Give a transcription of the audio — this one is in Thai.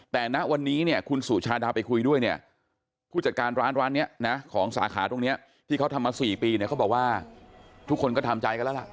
แต่ณวันนี้เนี่ยคุณสุชาดาไปคุยด้วยเนี่ยผู้จัดการร้านร้านนี้นะของสาขาตรงนี้ที่เขาทำมา๔ปีเนี่ยเขาบอกว่าทุกคนก็ทำใจกันแล้วล่ะ